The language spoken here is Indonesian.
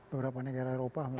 beberapa negara eropa